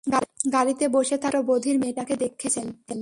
গাড়িতে বসে থাকা ছোট্ট বধির মেয়েটাকে দেখেছেন?